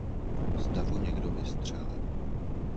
Z davu někdo vystřelil.